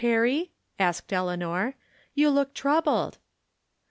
Perry, asked Eleanor. " You look troubled."